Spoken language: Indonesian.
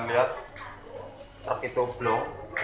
saya lihat truk itu belum